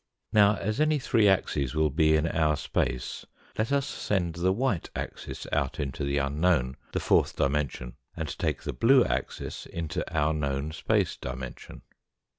Now, as any three axes will be in our space, let us send the white axis out into the unknown, the fourth dimen sion, and take the blue axis into our known space dimension.